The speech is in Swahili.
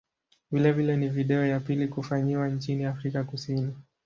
Vilevile ni video ya pili kufanyiwa nchini Afrika Kusini.